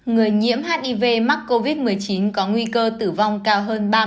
người nhiễm hiv mắc covid một mươi chín có nguy cơ tử vong cao hơn ba mươi